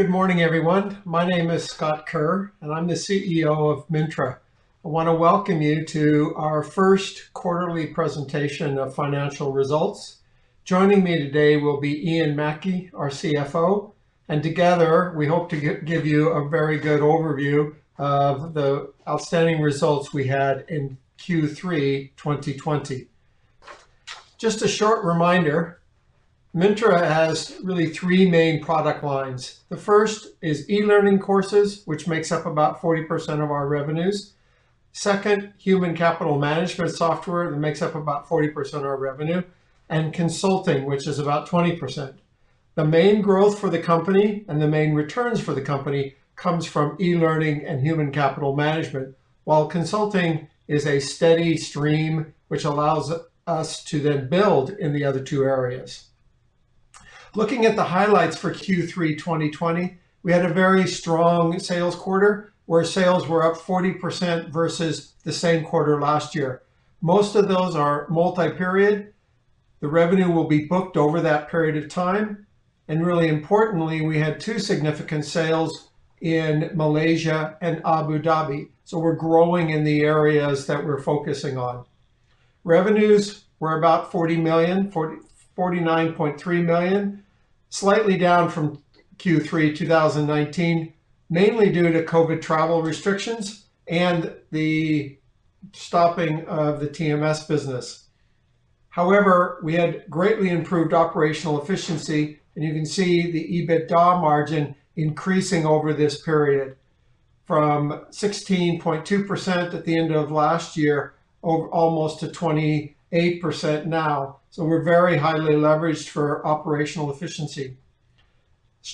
Good morning, everyone. My name is Scott Kerr, and I'm the CEO of Mintra. I want to welcome you to our first quarterly presentation of financial results. Joining me today will be Ian Mackie, our CFO, and together we hope to give you a very good overview of the outstanding results we had in Q3 2020. Just a short reminder, Mintra has really three main product lines. The first is eLearning courses, which makes up about 40% of our revenues. Second, Human Capital Management software, makes up about 40% of our revenue, and consulting, which is about 20%. The main growth for the company and the main returns for the company comes from eLearning and Human Capital Management, while consulting is a steady stream, which allows us to then build in the other two areas. Looking at the highlights for Q3 2020, we had a very strong sales quarter, where sales were up 40% versus the same quarter last year. Most of those are multi-period. The revenue will be booked over that period of time. Really importantly, we had two significant sales in Malaysia and Abu Dhabi, so we're growing in the areas that we're focusing on. Revenues were about 49.3 million, slightly down from Q3 2019, mainly due to COVID travel restrictions and the stopping of the TMS business. However, we had greatly improved operational efficiency, and you can see the EBITDA margin increasing over this period from 16.2% at the end of last year, almost to 28% now. We're very highly leveraged for operational efficiency.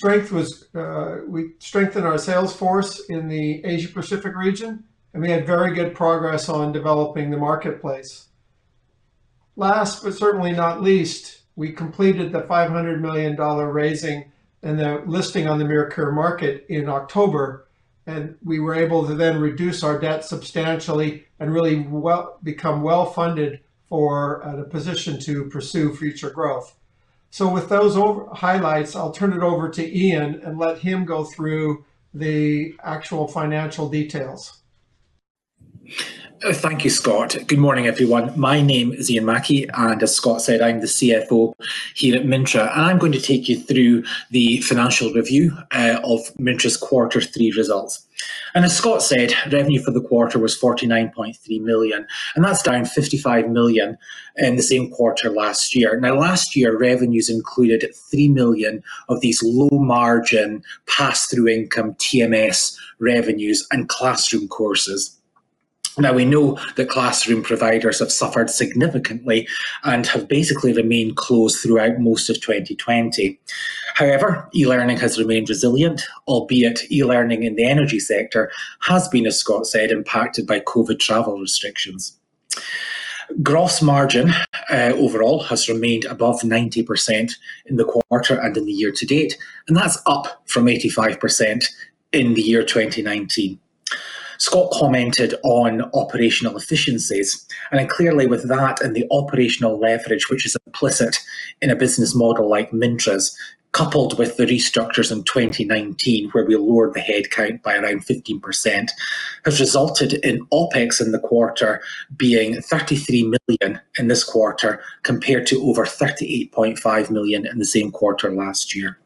We strengthened our sales force in the Asia Pacific region, and we had very good progress on developing the Marketplace. Last but certainly not least, we completed the NOK 500 million raising and the listing on the Merkur Market in October, and we were able to then reduce our debt substantially and really become well-funded for a position to pursue future growth. With those highlights, I'll turn it over to Ian and let him go through the actual financial details. Thank you, Scott. Good morning, everyone. My name is Ian Mackie. As Scott said, I'm the CFO here at Mintra. I'm going to take you through the financial review of Mintra's quarter three results. As Scott said, revenue for the quarter was 49.3 million, and that's down from 55 million in the same quarter last year. Last year, revenues included 3 million of these low-margin, pass-through income TMS revenues and classroom courses. We know that classroom providers have suffered significantly and have basically remained closed throughout most of 2020. However, eLearning has remained resilient, albeit eLearning in the energy sector has been, as Scott said, impacted by COVID travel restrictions. Gross margin overall has remained above 90% in the quarter and in the year to date, and that's up from 85% in the year 2019. Scott commented on operational efficiencies and clearly with that and the operational leverage, which is implicit in a business model like Mintra's, coupled with the restructures in 2019, where we lowered the head count by around 15%, has resulted in OpEx in the quarter being 33 million in this quarter, compared to over 38.5 million in the same quarter last year.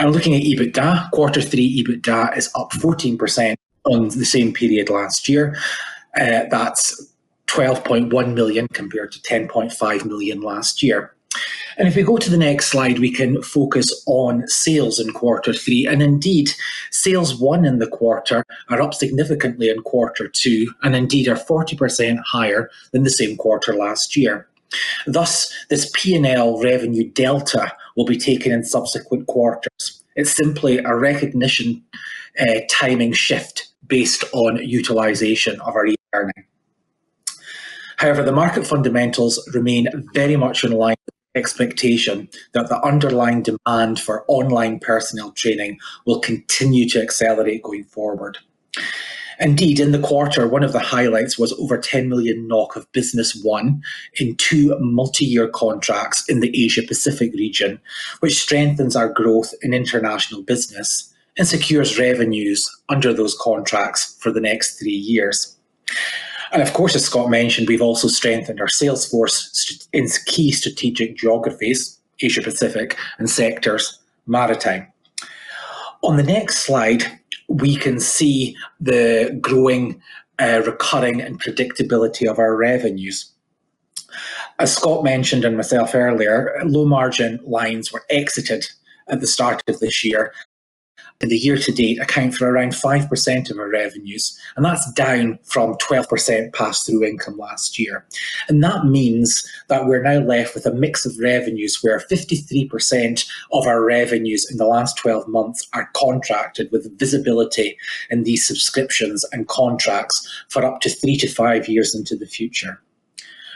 Looking at EBITDA, quarter three EBITDA is up 14% on the same period last year. That's 12.1 million compared to 10.5 million last year. If we go to the next slide, we can focus on sales in quarter three, and indeed, sales won in the quarter are up significantly in quarter two, and indeed are 40% higher than the same quarter last year. Thus, this P&L revenue delta will be taken in subsequent quarters. It's simply a recognition timing shift based on utilization of our eLearning. However, the market fundamentals remain very much in line with expectation that the underlying demand for online personnel training will continue to accelerate going forward. Indeed, in the quarter, one of the highlights was over 10 million NOK of business won in two multi-year contracts in the Asia Pacific region, which strengthens our growth in international business and secures revenues under those contracts for the next three years. Of course, as Scott mentioned, we've also strengthened our sales force in key strategic geographies, Asia Pacific, and sectors, maritime. On the next slide, we can see the growing recurring and predictability of our revenues. As Scott mentioned, and myself earlier, low margin lines were exited at the start of this year. The year to date account for around 5% of our revenues, and that's down from 12% pass-through income last year. That means that we're now left with a mix of revenues where 53% of our revenues in the last 12 months are contracted with visibility in these subscriptions and contracts for up to three to five years into the future.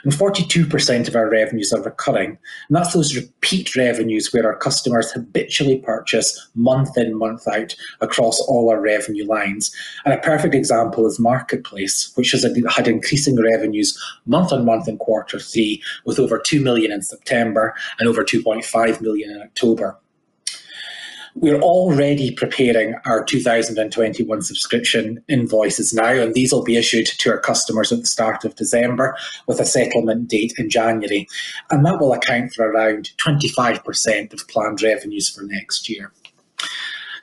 42% of our revenues are recurring, and that's those repeat revenues where our customers habitually purchase month in, month out across all our revenue lines. A perfect example is Marketplace, which has had increasing revenues month on month in Q3, with over 2 million in September and over 2.5 million in October. We're already preparing our 2021 subscription invoices now, and these will be issued to our customers at the start of December with a settlement date in January. That will account for around 25% of planned revenues for next year.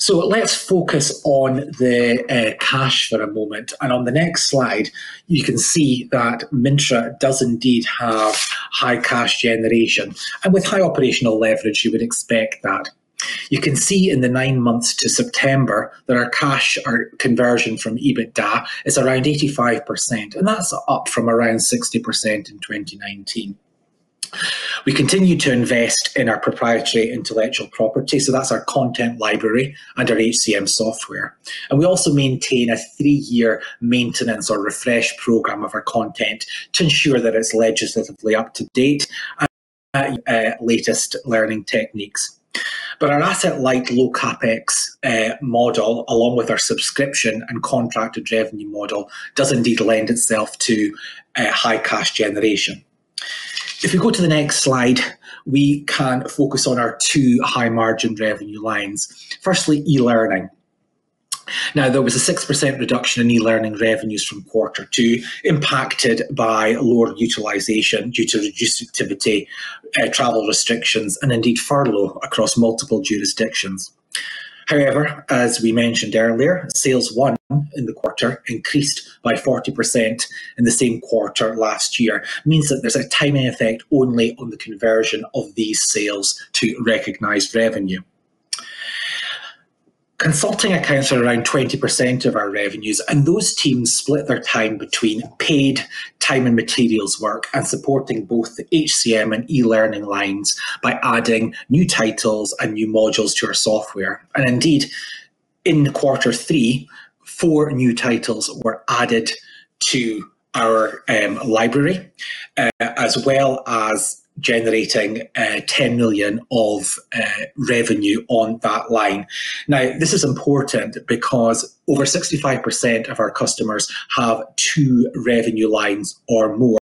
Let's focus on the cash for a moment. On the next slide, you can see that Mintra does indeed have high cash generation. With high operational leverage, you would expect that. You can see in the nine months to September that our cash conversion from EBITDA is around 85%, that's up from around 60% in 2019. We continue to invest in our proprietary intellectual property, so that's our content library and our HCM software. We also maintain a three-year maintenance or refresh program of our content to ensure that it's legislatively up to date and latest learning techniques. Our asset light, low CapEx model, along with our subscription and contracted revenue model, does indeed lend itself to high cash generation. If we go to the next slide, we can focus on our two high margin revenue lines. Firstly, eLearning. There was a 6% reduction in eLearning revenues from quarter two, impacted by lower utilization due to reduced activity, travel restrictions, and indeed furlough across multiple jurisdictions. As we mentioned earlier, sales won in the quarter increased by 40% in the same quarter last year. This means that there's a timing effect only on the conversion of these sales to recognized revenue. Consulting accounts for around 20% of our revenues, and those teams split their time between paid time and materials work and supporting both the HCM and eLearning lines by adding new titles and new modules to our software. Indeed, in quarter three, four new titles were added to our library, as well as generating 10 million of revenue on that line. This is important because over 65% of our customers have two revenue lines or more,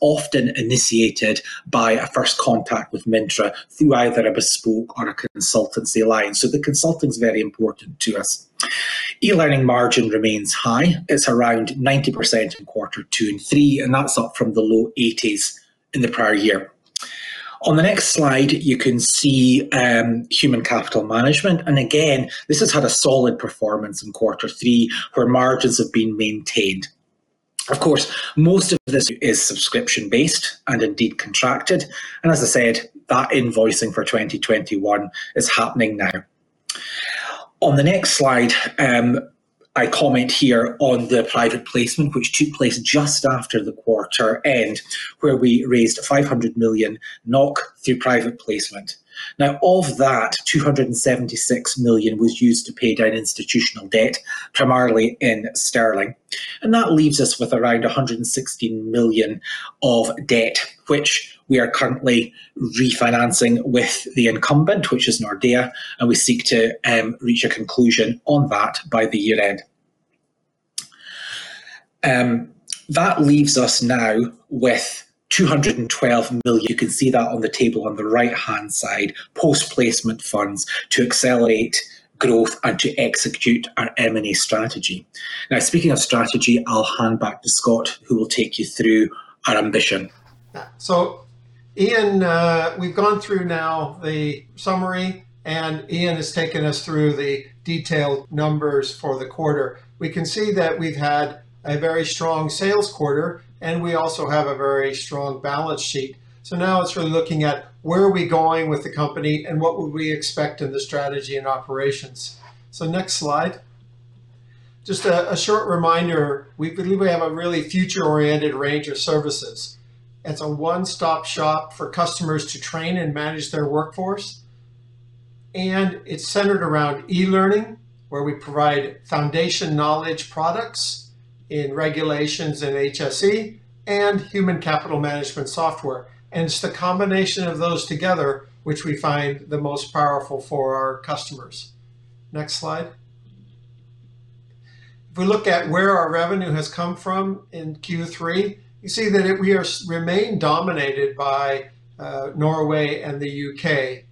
often initiated by a first contact with Mintra through either a bespoke or a consultancy line. The consulting's very important to us. eLearning margin remains high. It's around 90% in quarter two and three, and that's up from the low 80s in the prior year. On the next slide, you can see human capital management, and again, this has had a solid performance in quarter three, where margins have been maintained. Of course, most of this is subscription-based and indeed contracted, and as I said, that invoicing for 2021 is happening now. On the next slide, I comment here on the private placement which took place just after the quarter end, where we raised 500 million NOK through private placement. Of that, 276 million was used to pay down institutional debt, primarily in GBP. That leaves us with around 116 million of debt, which we are currently refinancing with the incumbent, which is Nordea, and we seek to reach a conclusion on that by the year-end. That leaves us now with 212 million, you can see that on the table on the right-hand side, post-placement funds to accelerate growth and to execute our M&A strategy. Speaking of strategy, I'll hand back to Scott, who will take you through our ambition. Ian, we've gone through now the summary, and Ian has taken us through the detailed numbers for the quarter. We can see that we've had a very strong sales quarter, and we also have a very strong balance sheet. Now it's really looking at where are we going with the company and what would we expect in the strategy and operations. Next slide. Just a short reminder, we believe we have a really future-oriented range of services. It's a one-stop shop for customers to train and manage their workforce, and it's centered around eLearning, where we provide foundation knowledge products in regulations and HSE, and human capital management software. It's the combination of those together which we find the most powerful for our customers. Next slide. If we look at where our revenue has come from in Q3, you see that we remain dominated by Norway and the U.K.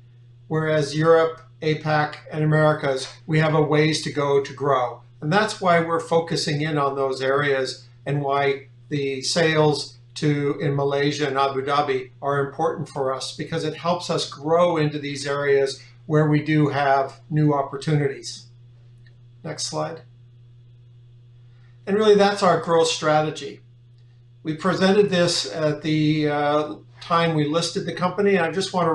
Whereas, Europe, APAC, and Americas, we have a ways to go to grow. That's why we're focusing in on those areas and why the sales in Malaysia and Abu Dhabi are important for us, because it helps us grow into these areas where we do have new opportunities. Next slide. Really, that's our growth strategy. We presented this at the time we listed the company, and I just want to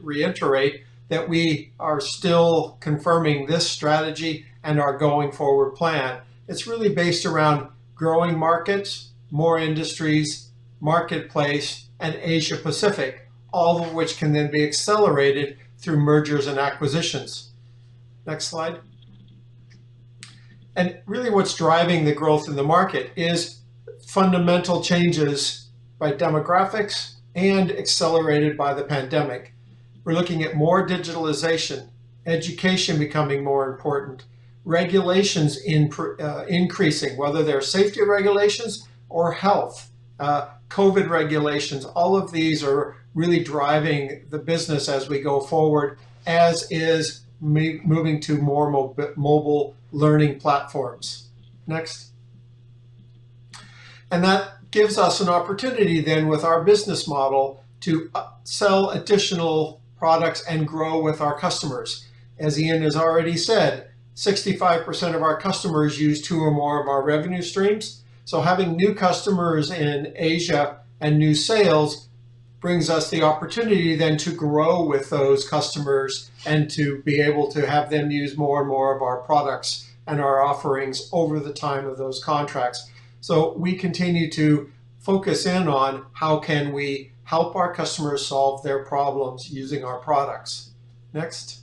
reiterate that we are still confirming this strategy and our going forward plan. It's really based around growing markets, more industries, Marketplace, and Asia Pacific, all of which can then be accelerated through mergers and acquisitions. Next slide. Really what's driving the growth in the market is fundamental changes by demographics and accelerated by the pandemic. We are looking at more digitalization, education becoming more important, regulations increasing, whether they are safety regulations or health, COVID regulations. All of these are really driving the business as we go forward, as is moving to more mobile learning platforms. Next. That gives us an opportunity then with our business model to sell additional products and grow with our customers. As Ian has already said, 65% of our customers use two or more of our revenue streams. Having new customers in Asia and new sales brings us the opportunity then to grow with those customers and to be able to have them use more and more of our products and our offerings over the time of those contracts. We continue to focus in on how can we help our customers solve their problems using our products. Next.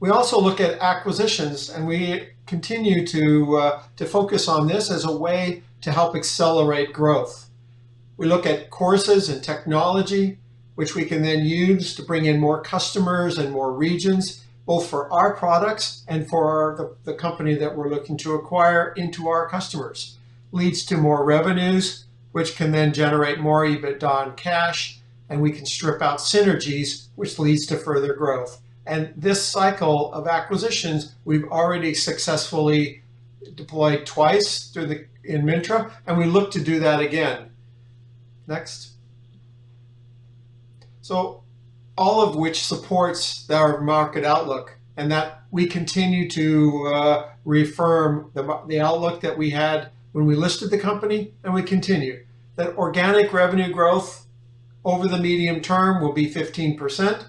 We also look at acquisitions, and we continue to focus on this as a way to help accelerate growth. We look at courses and technology, which we can then use to bring in more customers and more regions, both for our products and for the company that we're looking to acquire into our customers. This leads to more revenues, which can then generate more EBITDA and cash, and we can strip out synergies, which leads to further growth. This cycle of acquisitions, we've already successfully deployed twice through in Mintra, and we look to do that again. Next. All of which supports our market outlook, and that we continue to reaffirm the outlook that we had when we listed the company. Organic revenue growth over the medium term will be 15%,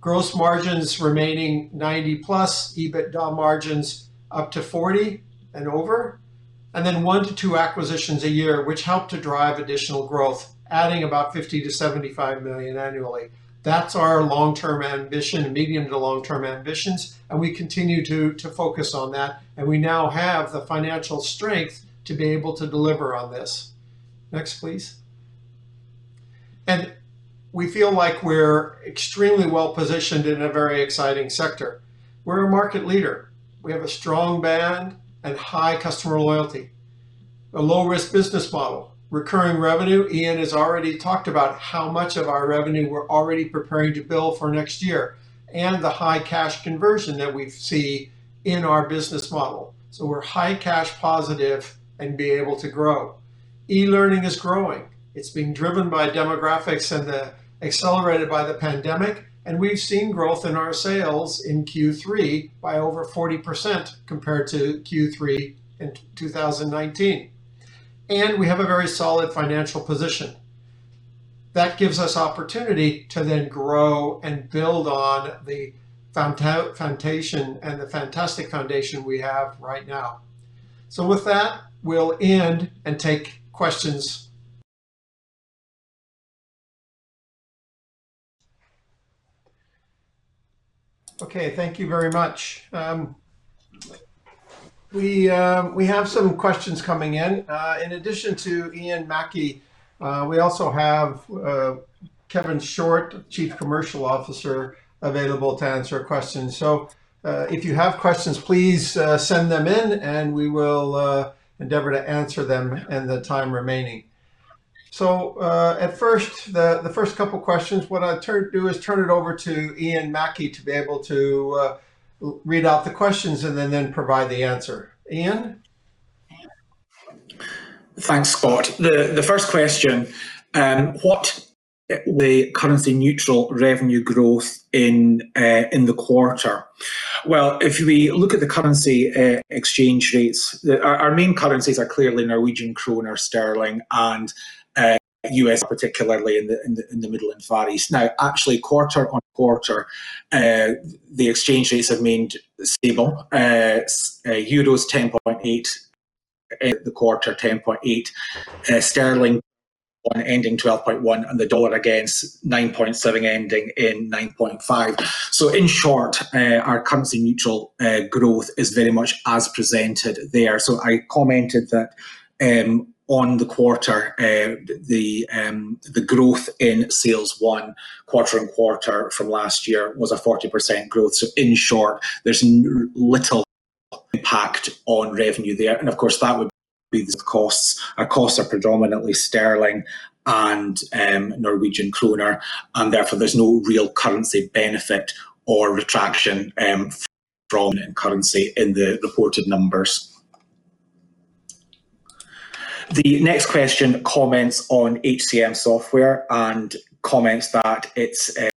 gross margins remaining 90-plus, EBITDA margins up to 40 and over, one to two acquisitions a year, which help to drive additional growth, adding about 50 million to 75 million annually. That's our long-term ambition, medium to long-term ambitions, we continue to focus on that, we now have the financial strength to be able to deliver on this. Next, please. We feel like we're extremely well-positioned in a very exciting sector. We're a market leader. We have a strong brand and high customer loyalty, a low-risk business model, recurring revenue. Ian has already talked about how much of our revenue we're already preparing to bill for next year, the high cash conversion that we see in our business model. We're high cash positive and be able to grow, eLearning is growing. It's being driven by demographics and accelerated by the pandemic. We've seen growth in our sales in Q3 by over 40% compared to Q3 in 2019. We have a very solid financial position. That gives us opportunity to grow and build on the fantastic foundation we have right now. With that, we'll end and take questions. Okay, thank you very much. We have some questions coming in. In addition to Ian Mackie, we also have Kevin Short, Chief Commercial Officer, available to answer questions. If you have questions, please send them in, and we will endeavor to answer them in the time remaining. At first, the first couple questions, what I'll do is turn it over to Ian Mackie to be able to read out the questions and provide the answer. Ian? Thanks, Scott. The first question, what the currency neutral revenue growth in the quarter? Well, if we look at the currency exchange rates, our main currencies are clearly Norwegian krone, our GBP, and USD, particularly in the Middle and Far East. Now, actually quarter-on-quarter, the exchange rates have remained stable. Euros 10.8, the quarter 10.8. GBP on ending 12.1, The USD against $9.7 ending in $9.5. In short, our currency neutral growth is very much as presented there. I commented that on the quarter, the growth in sales won quarter-on-quarter from last year was a 40% growth. In short, there's little impact on revenue there. Of course, that would be the costs. Our costs are predominantly GBP and Norwegian krone. Therefore, there's no real currency benefit or retraction from currency in the reported numbers. The next question comments on HCM software and comments that it's down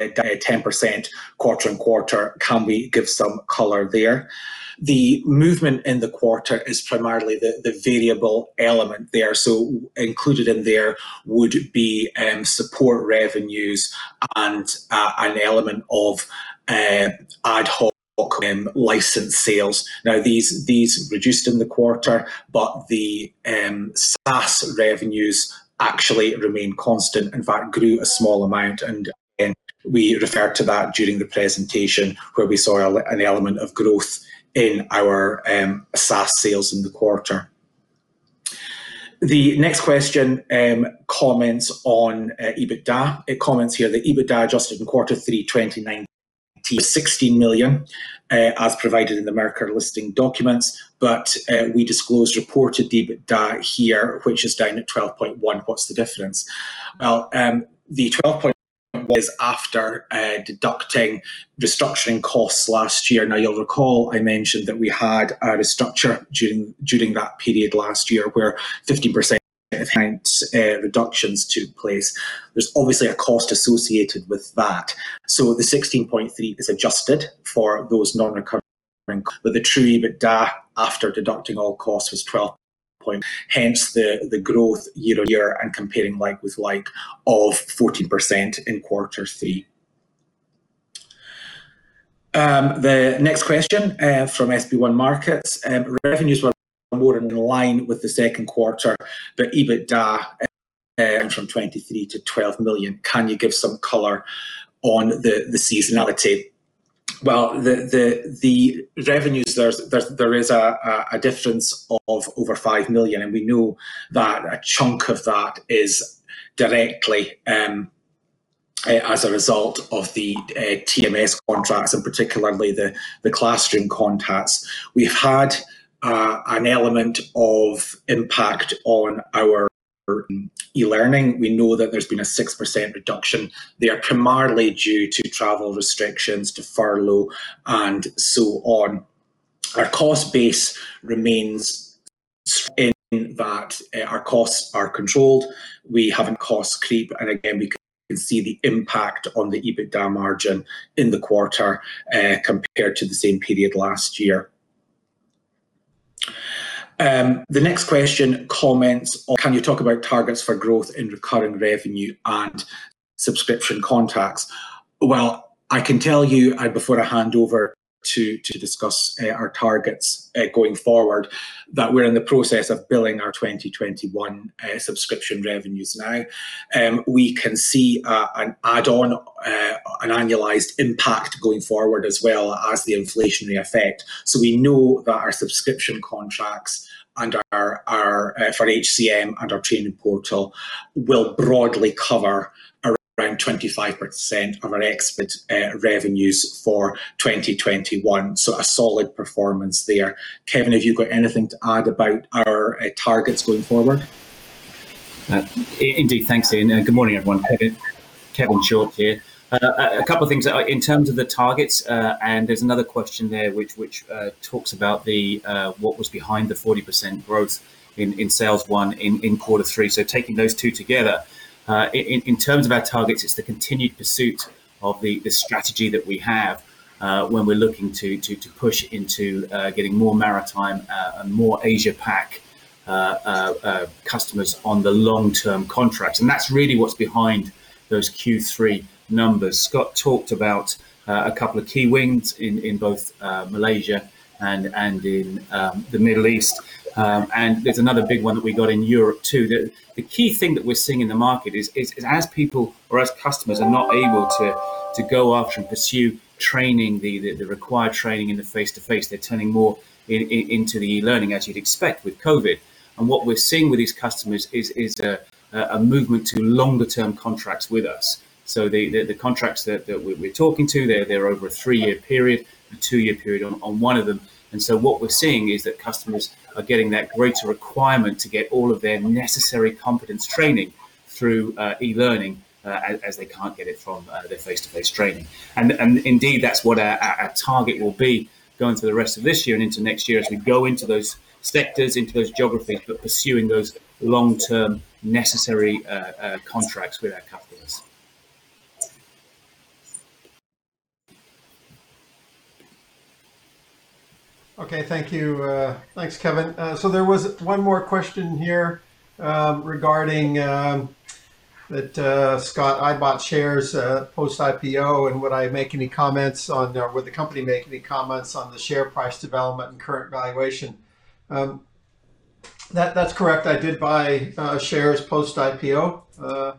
10% quarter-on-quarter. Can we give some color there? The movement in the quarter is primarily the variable element there. Included in there would be support revenues and an element of ad hoc license sales. These reduced in the quarter, but the SaaS revenues actually remain constant, in fact, grew a small amount, and we referred to that during the presentation where we saw an element of growth in our SaaS sales in the quarter. The next question comments on EBITDA. It comments here that EBITDA adjusted in Q3 2019, 16 million, as provided in the Merkur listing documents, we disclosed reported EBITDA here, which is down at 12.1. What's the difference? Well, the 12.1 was after deducting restructuring costs last year. You'll recall I mentioned that we had a restructure during that period last year where 15% headcount reductions took place. There's obviously a cost associated with that. The 16.3 is adjusted for those non-recurring costs. The true EBITDA after deducting all costs was 12 million, hence the growth year-over-year and comparing like with like of 14% in quarter three. The next question from SB1 Markets, "Revenues were more in line with the second quarter, but EBITDA went from 23 million to 12 million. Can you give some color on the seasonality?" Well, the revenues there is a difference of over 5 million, and we know that a chunk of that is directly as a result of the TMS contracts, and particularly the classroom contracts. We've had an element of impact on our eLearning. We know that there's been a 6% reduction there, primarily due to travel restrictions, to furlough, and so on. Our cost base remains strong in that our costs are controlled. We haven't cost creep, and again, we can see the impact on the EBITDA margin in the quarter compared to the same period last year. The next question comments on, "Can you talk about targets for growth in recurring revenue and subscription contracts?" Well, I can tell you before I hand over to discuss our targets going forward, that we're in the process of billing our 2021 subscription revenues now. We can see an add-on, an annualized impact going forward as well as the inflationary effect. We know that our subscription contracts for HCM and our Trainingportal will broadly cover around 25% of our expected revenues for 2021. A solid performance there. Kevin, have you got anything to add about our targets going forward? Indeed. Thanks, Ian. Good morning, everyone. Kevin Short here. A couple of things. In terms of the targets, there's another question there which talks about what was behind the 40% growth in sales one in Q3. Taking those two together, in terms of our targets, it's the continued pursuit of the strategy that we have when we're looking to push into getting more maritime and more Asia Pac customers on the long-term contracts. That's really what's behind those Q3 numbers. Scott talked about a couple of key wins in both Malaysia and in the Middle East. There's another big one that we got in Europe, too. The key thing that we're seeing in the market is as people or as customers are not able to go out and pursue training, the required training in the face-to-face, they're turning more into the eLearning, as you'd expect with COVID. What we're seeing with these customers is a movement to longer term contracts with us. The contracts that we're talking to, they're over a three-year period, a two-year period on one of them. What we're seeing is that customers are getting that greater requirement to get all of their necessary competence training through eLearning as they can't get it from their face-to-face training. Indeed, that's what our target will be going through the rest of this year and into next year as we go into those sectors, into those geographies, but pursuing those long-term necessary contracts with our customers. Okay. Thank you. Thanks, Kevin. There was one more question here regarding that, Scott, I bought shares post IPO, and would the company make any comments on the share price development and current valuation? That's correct. I did buy shares post IPO.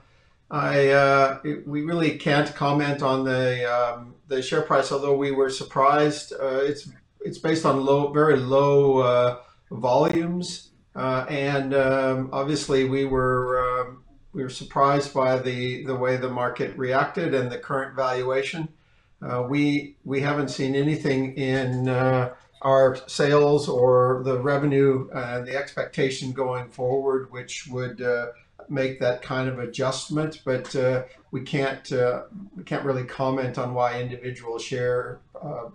We really can't comment on the share price, although we were surprised. It's based on very low volumes. Obviously, we were surprised by the way the market reacted and the current valuation. We haven't seen anything in our sales or the revenue and the expectation going forward, which would make that kind of adjustment. We can't really comment on why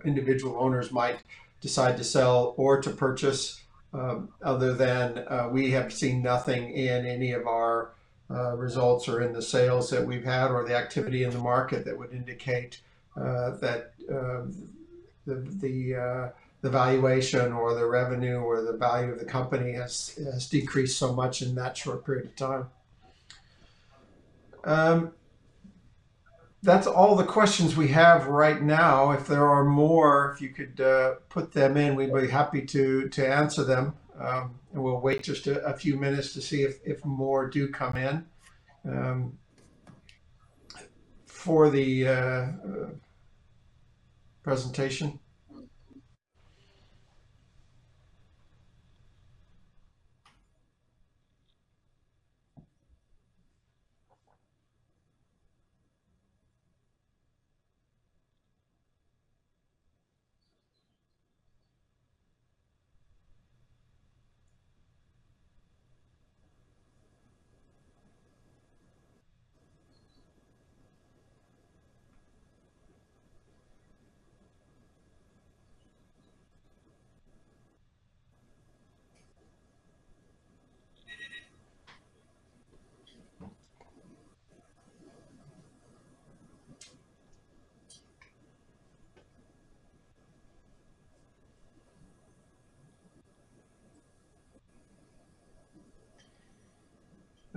individual owners might decide to sell or to purchase, other than we have seen nothing in any of our results or in the sales that we've had or the activity in the market that would indicate that the valuation or the revenue or the value of the company has decreased so much in that short period of time. That's all the questions we have right now. If there are more, if you could put them in, we'd be happy to answer them, and we'll wait just a few minutes to see if more do come in for the presentation.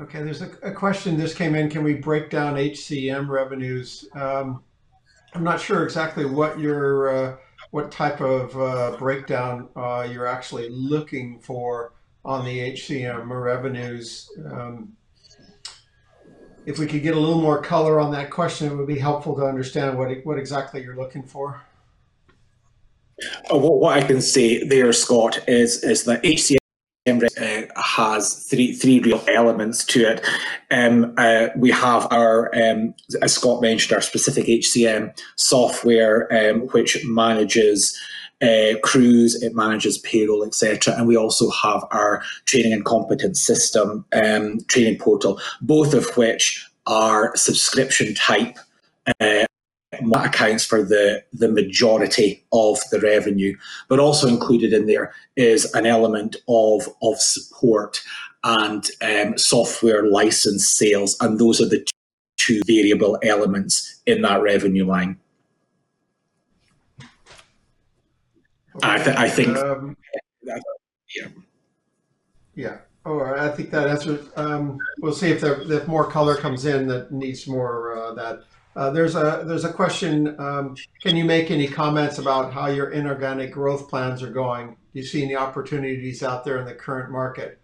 Okay, there's a question. This came in, "Can we break down HCM revenues?" I'm not sure exactly what type of breakdown you're actually looking for on the HCM revenues. If we could get a little more color on that question, it would be helpful to understand what exactly you're looking for. What I can say there, Scott, is that HCM has three real elements to it. We have, as Scott mentioned, our specific HCM software, which manages crews, it manages payroll, et cetera, and we also have our training and competence system Trainingportal, both of which are subscription type, and that accounts for the majority of the revenue. Also included in there is an element of support and software license sales, and those are the two variable elements in that revenue line. Yeah. Yeah. Yeah. I think that answers. We'll see if more color comes in that needs more of that. There's a question, "Can you make any comments about how your inorganic growth plans are going? Do you see any opportunities out there in the current market?"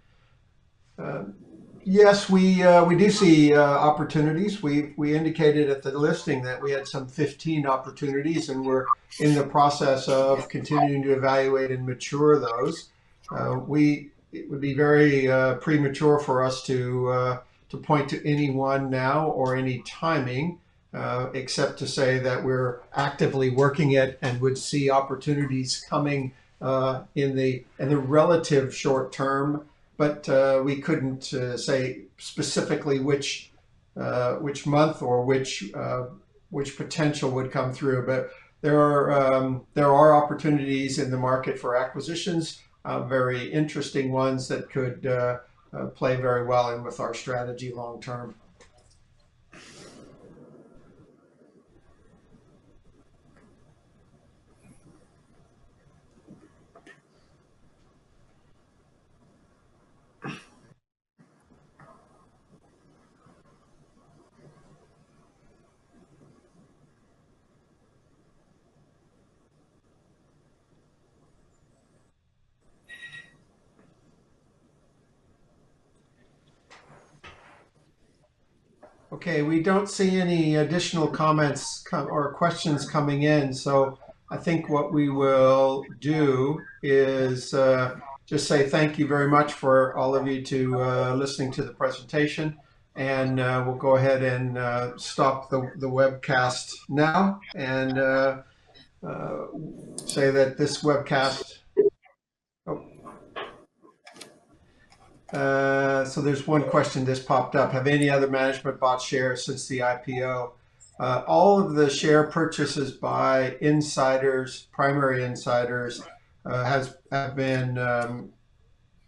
Yes, we do see opportunities. We indicated at the listing that we had some 15 opportunities, and we're in the process of continuing to evaluate and mature those. It would be very premature for us to point to any one now or any timing, except to say that we're actively working it and would see opportunities coming in the relative short term. We couldn't say specifically which month or which potential would come through. There are opportunities in the market for acquisitions, very interesting ones that could play very well in with our strategy long term. Okay. We don't see any additional comments or questions coming in. I think what we will do is just say thank you very much for all of you to listening to the presentation. We'll go ahead and stop the webcast now and say that this webcast. There's one question just popped up, "Have any other management bought shares since the IPO?" All of the share purchases by insiders, primary insiders, have been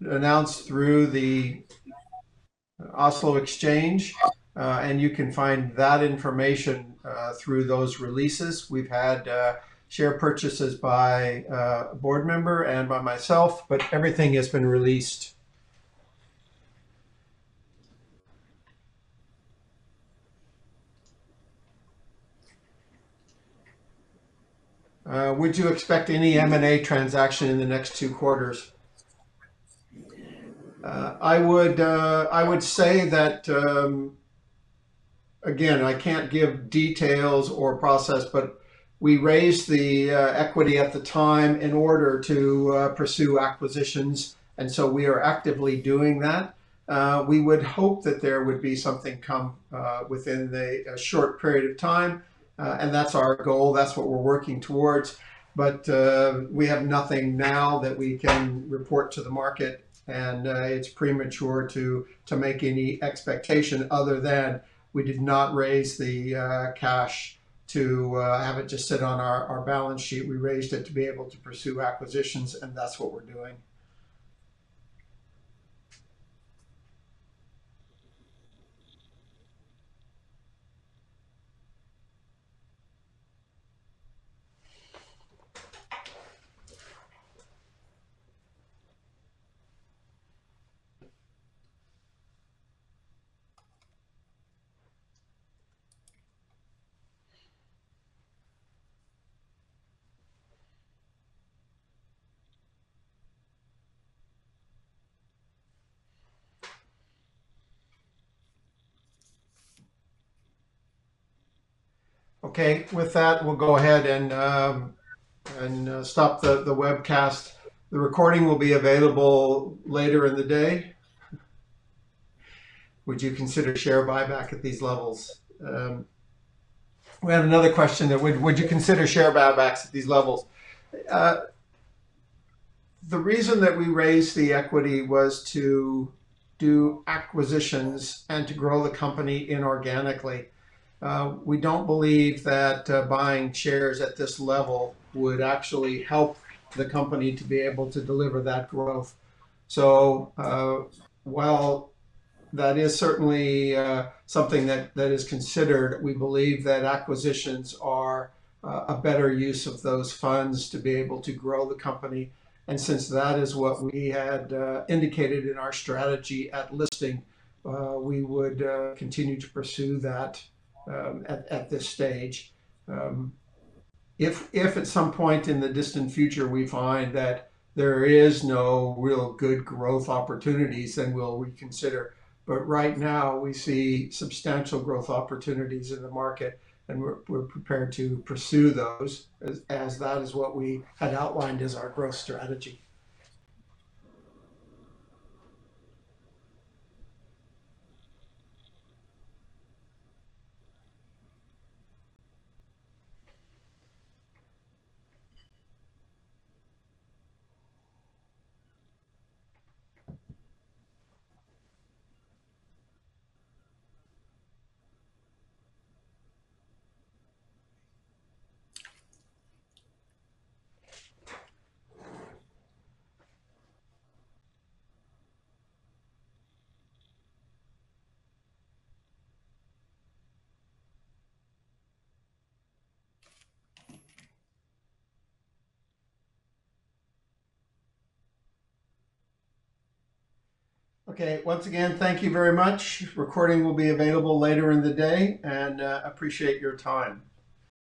announced through the Oslo Børs, and you can find that information through those releases. We've had share purchases by a board member and by myself, but everything has been released. "Would you expect any M&A transaction in the next two quarters?" I would say that, again, I can't give details or process, but we raised the equity at the time in order to pursue acquisitions, and so we are actively doing that. We would hope that there would be something come within a short period of time. That's our goal. That's what we're working towards. We have nothing now that we can report to the market, and it's premature to make any expectation other than we did not raise the cash to have it just sit on our balance sheet. We raised it to be able to pursue acquisitions, and that's what we're doing. Okay. With that, we'll go ahead and stop the webcast. The recording will be available later in the day. "Would you consider share buyback at these levels?" We have another question. Would you consider share buybacks at these levels? The reason that we raised the equity was to do acquisitions and to grow the company inorganically. We don't believe that buying shares at this level would actually help the company to be able to deliver that growth. While that is certainly something that is considered, we believe that acquisitions are a better use of those funds to be able to grow the company. Since that is what we had indicated in our strategy at listing, we would continue to pursue that at this stage. If at some point in the distant future, we find that there is no real good growth opportunities, then we'll reconsider. Right now, we see substantial growth opportunities in the market, and we're prepared to pursue those, as that is what we had outlined as our growth strategy. Okay, once again, thank you very much. Recording will be available later in the day, and appreciate your time.